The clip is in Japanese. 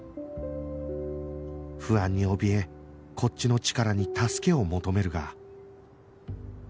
不安におびえこっちのチカラに助けを求めるが